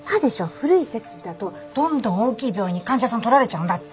古い設備だとどんどん大きい病院に患者さん取られちゃうんだって。